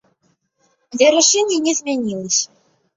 Але рашэнне не змянілася!